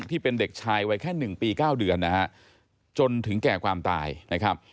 ที่เป็นเด็กชายวัยแค่๑ปี๙เดือนนะฮะจนถึงแก่ความตายนะครับ